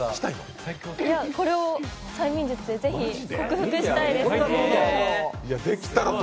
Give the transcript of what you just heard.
これを催眠術でぜひ克服したいです。